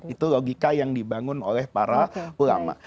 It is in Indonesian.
itu logika yang dibangun oleh para ulama